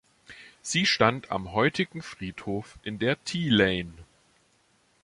Sie stand am heutigen Friedhof in der "Tea Lane".